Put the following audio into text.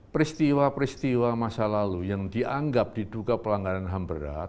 peristiwa peristiwa masa lalu yang dianggap diduga pelanggaran ham berat